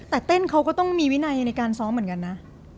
แต่เต้นเขาก็ต้องมีวินัยในการซ้อมเหมือนกันนะ